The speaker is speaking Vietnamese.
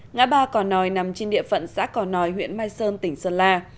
ngã ba cỏ nòi nằm trên địa phận xã cò nòi huyện mai sơn tỉnh sơn la